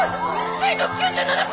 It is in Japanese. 精度９７％！